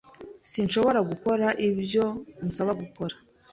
Sinshobora gukora ibyo unsaba gukora.